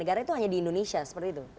negara itu hanya di indonesia seperti itu